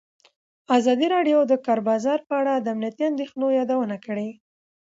ازادي راډیو د د کار بازار په اړه د امنیتي اندېښنو یادونه کړې.